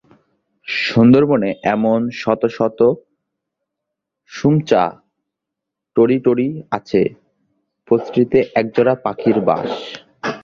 সুন্দরবনে এমন শত শত শুমচা-টেরিটোরি আছে, প্রতিটিতে এক জোড়া পাখির বাস।